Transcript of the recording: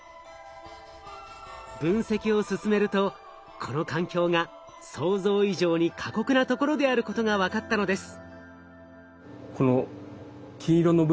分析を進めるとこの環境が想像以上に過酷なところであることがわかったのです。